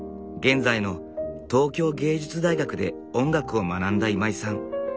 現在の東京藝術大学で音楽を学んだ今井さん。